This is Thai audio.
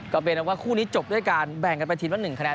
ก็เป็นว่าคู่นี้จบด้วยการแบ่งกันไปทีละ๑คะแนน